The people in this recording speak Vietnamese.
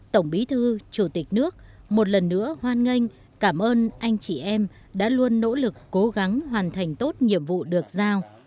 tổng bí thư chủ tịch nước một lần nữa hoan nghênh cảm ơn anh chị em đã luôn nỗ lực cố gắng hoàn thành tốt nhiệm vụ được giao